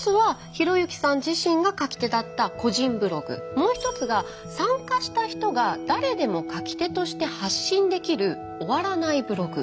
もう一つが参加した人が誰でも書き手として発信できる「終わらないブログ」。